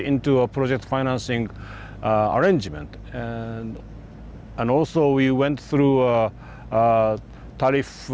ini adalah perusahaan yang bergantung dengan perusahaan penyelenggaraan proyek